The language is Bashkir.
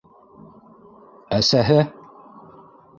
Әсәһе!